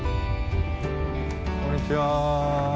こんにちは。